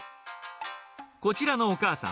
こちらのお母さん。